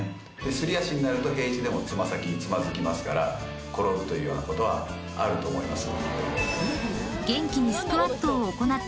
すり足になると平地でも爪先につまずきますから転ぶというようなことはあると思います。